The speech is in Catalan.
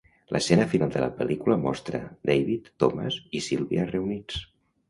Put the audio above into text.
L'escena final de la pel·lícula mostra David, Thomas i Sylvia reunits.